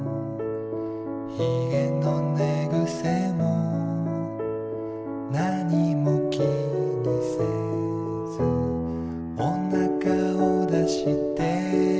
「ひげの寝ぐせもなにも気にせず」「おなかをだして」